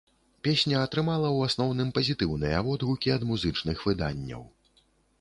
Песня атрымала, у асноўным, пазітыўныя водгукі ад музычных выданняў.